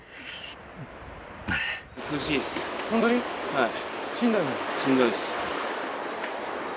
はい。